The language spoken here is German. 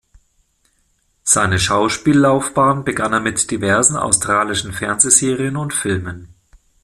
Seine Schauspiellaufbahn begann er mit diversen australischen Fernsehserien und Filmen.